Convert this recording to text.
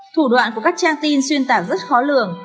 thủ đoạn của các trang tin xuyên tạc rất khó lường